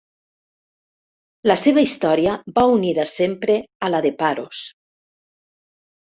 La seva història va unida sempre a la de Paros.